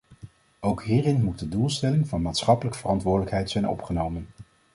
Ook hierin moet de doelstelling van maatschappelijke verantwoordelijkheid zijn opgenomen.